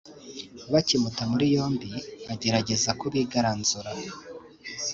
bakimuta muri yombi agerageza kubigaranzura